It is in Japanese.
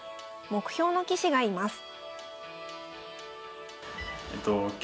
目標の棋士がいます。